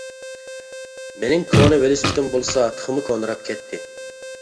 مېنىڭ كونا ۋېلىسىپىتىم بولسا تېخىمۇ كونىراپ كەتتى.